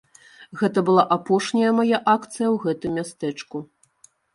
Гэта была апошняя мая акцыя ў гэтым мястэчку.